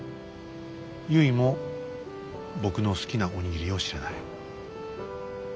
ゆいも僕の好きなお握りを知らない。